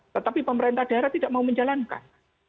tetapi pemerintah daerah tidak mau menjalankan